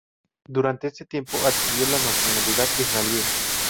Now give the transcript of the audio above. Durante ese tiempo adquirió la nacionalidad israelí.